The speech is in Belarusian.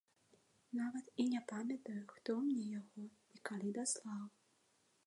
Нават і не памятаю, хто мне яго і калі даслаў.